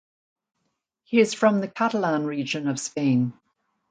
He is from the Catalan region of Spain.